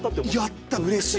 やったうれしい。